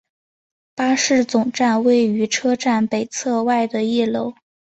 巴士总站位于车站北侧外的一楼。